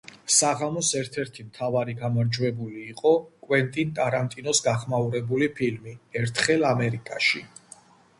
საღამოს ერთ-ერთი მთავარი გამარჯვებული იყო კვენტინ ტარანტინოს გახმაურებული ფილმი „ერთხელ ამერიკაში“.